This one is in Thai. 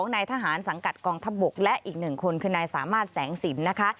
นายทหารสังกัดกองทัพบกและอีก๑คนคือนายสามารถแสงสินนะคะ